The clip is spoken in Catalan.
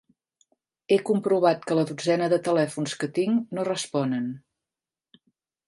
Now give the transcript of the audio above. He comprovat que la dotzena de telèfons que tinc no responen.